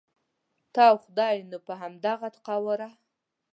ته او خدای نو په همدغه قواره.